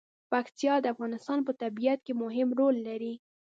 پکتیا د افغانستان په طبیعت کې مهم رول لري.